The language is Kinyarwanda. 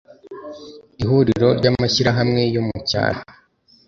ihuriro ry amashyirahamwe yo mu cyaro